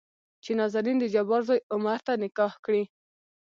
چې نازنين دجبار زوى عمر ته نکاح کړي.